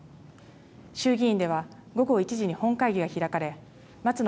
衆議院では午後１時に本会議が開かれ松野